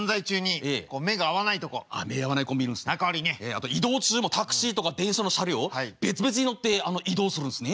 あと移動中もタクシーとか電車の車両別々に乗って移動するんですね。